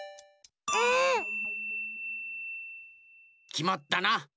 きまったな。